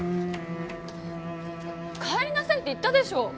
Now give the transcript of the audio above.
帰りなさいって言ったでしょ。